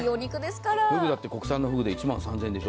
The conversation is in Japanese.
ふぐだって国産のふぐ１万３０００円でしょ。